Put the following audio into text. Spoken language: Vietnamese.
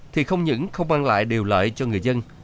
thì không những không mang lại điều lợi cho người dân